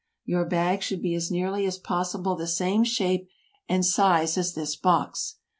Your bag should be as nearly as possible the same shape and size as this box.